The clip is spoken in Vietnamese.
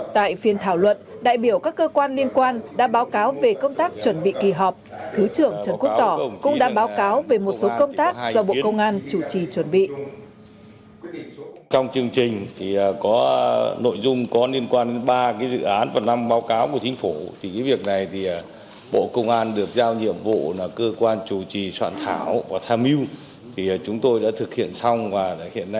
tại phiên thảo luận đại biểu các cơ quan liên quan đã báo cáo về công tác chuẩn bị kỳ họp thứ trưởng trần quốc tỏ cũng đã báo cáo về một số công tác do bộ công an chủ trì chuẩn bị